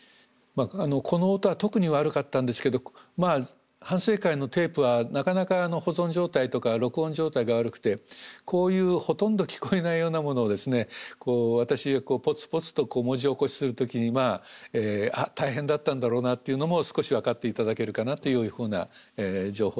この音は特に悪かったんですけど反省会のテープはなかなか保存状態とか録音状態が悪くてこういうほとんど聞こえないようなものをですね私がぽつぽつと文字起こしする時に大変だったんだろうなっていうのも少し分かって頂けるかなというふうな情報でした。